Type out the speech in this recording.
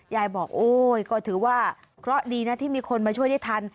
ยายบอกโอ้ยก็ถือว่าเคราะห์ดีนะที่มีคนมาช่วยได้ทัน